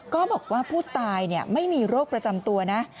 ก็บอกว่าผู้ตายไม่มีโรคประจำตัวนะ